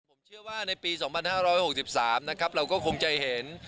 ผมเชื่อว่าในปีสองพันห้าร้อยหกสิบสามนะครับเราก็คงใจเห็น